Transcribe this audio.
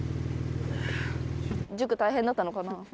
塾大変だったのかな